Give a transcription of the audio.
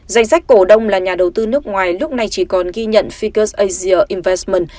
giành sách cổ đông là nhà đầu tư nước ngoài lúc này chỉ còn ghi nhận ficus asia investment